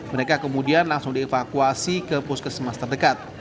mereka kemudian langsung dievakuasi ke puskesmas terdekat